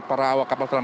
para awak kapal selam